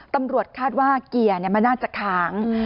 ตำรวจคาดว่าเกียร์มันน่าจะค้าง